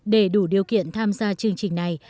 để đủ điều kiện tham gia chương trình này